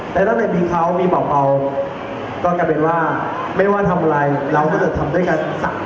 แต่ถ้าไม่มีเขามีเปล่าก็กลับเป็นว่าไม่ว่าทำอะไรเราก็จะทำด้วยกันสามคน